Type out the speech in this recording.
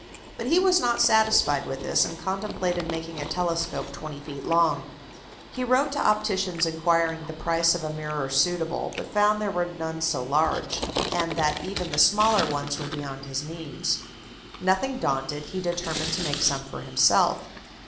But he was not satisfied with this, and contemplated making a telescope 20 feet long. He wrote to opticians inquiring the price of a mirror suitable, but found there were none so large, and that even the smaller ones were beyond his means. Nothing daunted, he determined to make some for himself.